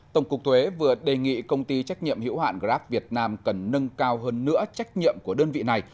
tổng cục thuế vừa đề nghị công ty trách nhiệm hiểu hạn grab việt nam cần nâng cao hơn nữa trách nhiệm của đơn vị này